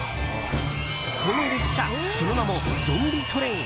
この列車、その名もゾンビトレイン。